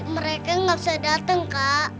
mereka gak bisa dateng kak